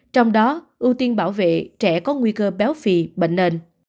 trong đó ưu tiên bảo vệ trẻ có nguy cơ béo phì bệnh nền